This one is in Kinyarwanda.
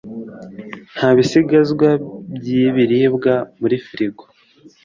Nta bisigazwa byibiribwa muri firigo.